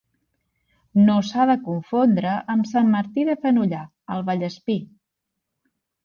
No s'ha de confondre amb Sant Martí de Fenollar, al Vallespir.